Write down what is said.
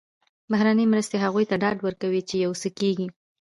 بهرنۍ مرستې هغوی ته ډاډ ورکوي چې یو څه کېږي.